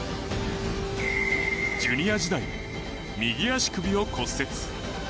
ジュニア時代、右足首を骨折。